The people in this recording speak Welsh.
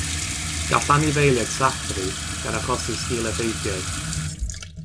Gall anifeiliaid sathru, gan achosi sgileffeithiau.